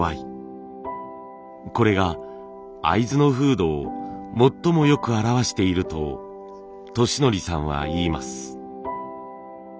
これが会津の風土を最もよく表していると利訓さんはいいます。